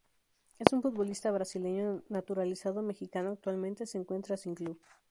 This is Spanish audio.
Es un futbolista brasileño naturalizado mexicano Actualmente se encuentra sin club.